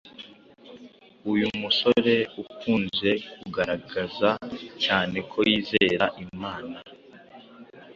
Uyu musore ukunze kugaragaza cyane ko yizera Imana